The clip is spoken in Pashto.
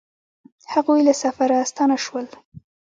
هغوی له سفره ستانه شول